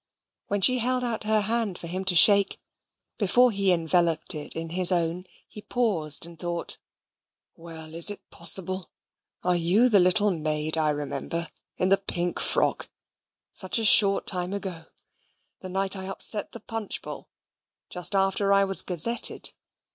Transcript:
When she held out her hand for him to shake, before he enveloped it in his own, he paused, and thought "Well, is it possible are you the little maid I remember in the pink frock, such a short time ago the night I upset the punch bowl, just after I was gazetted?